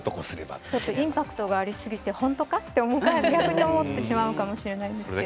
インパクトがありすぎて本当か？と思ってしまうかもしれないですね。